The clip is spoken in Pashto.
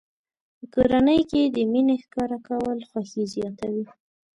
په کورنۍ کې د مینې ښکاره کول خوښي زیاتوي.